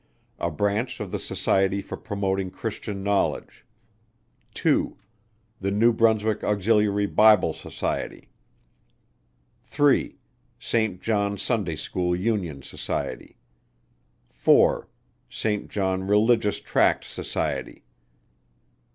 A Branch of the Society for Promoting Christian Knowledge. 2. The New Brunswick Auxiliary Bible Society. 3. Saint John Sunday School Union Society. 4. Saint John Religious Tract Society.